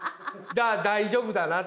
だから大丈夫だなって。